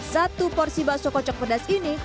satu porsi bakso kocok pedas ini